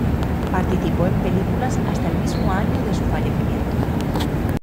Participó en películas hasta el mismo año de su fallecimiento.